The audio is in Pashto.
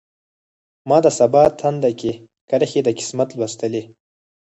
ما د سبا تندی کې کرښې د قسمت لوستلي